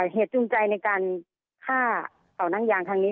เหตุจูงใจในการฆ่าเสานั่งยางครั้งนี้